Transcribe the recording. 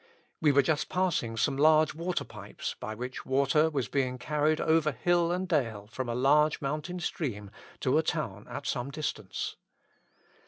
We were just passing some large water pipes, by which water was being carried over hill and dale from a large mountain stream to a town at some distance.